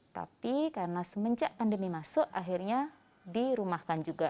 tapi karena semenjak pandemi masuk akhirnya dirumahkan juga